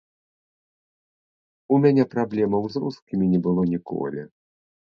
У мяне праблемаў з рускімі не было ніколі.